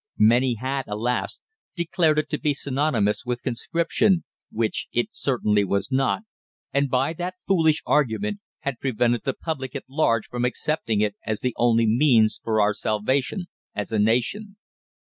Many had, alas! declared it to be synonymous with conscription, which it certainly was not, and by that foolish argument had prevented the public at large from accepting it as the only means for our salvation as a nation.